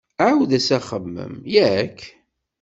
Ɛiwed-as axemmem, yak?